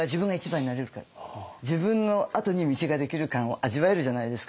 自分のあとに道ができる感を味わえるじゃないですか。